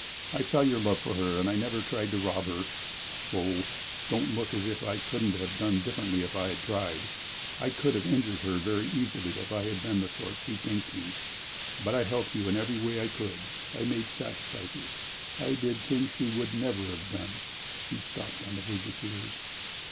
I saw your love for her, and I never tried to rob her. Oh, don't look as if I couldn't have done differently if I had tried. I could have injured her very easily if I had been the sort she thinks me. But I helped you in every way I could. I made sacrifices, I did things she would never have done." She stopped on the verge of tears.